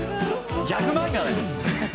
ギャグ漫画だ。